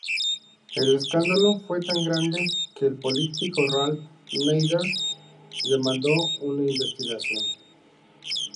El escándalo fue tan grande que el político Ralph Nader demandó una investigación.